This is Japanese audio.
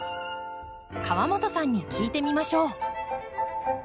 河本さんに聞いてみましょう。